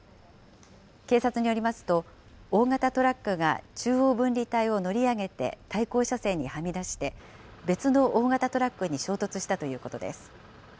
警察によりますと、大型トラックが中央分離帯を乗り上げて対向車線にはみ出して、別の大型トラックに衝突したということです。